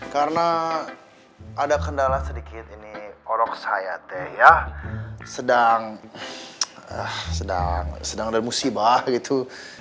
karena ada kendala sedikit ini orok saya teh ya sedang sedang sedang ada musibah gitu